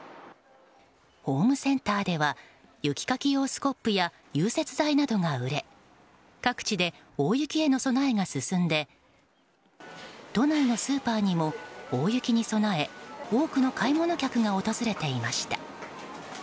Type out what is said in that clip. ホームセンターでは雪かき用スコップや融雪剤などが売れ各地で大雪への備えが進んで都内のスーパーにも大雪に備え多くの買い物客が訪れていました。